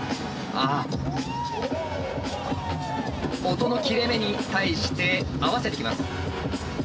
音の切れ目に対して合わせてきます。